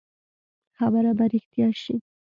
خبره به رښتيا شي.